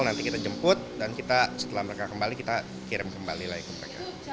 nanti kita jemput dan kita setelah mereka kembali kita kirim kembali lagi ke mereka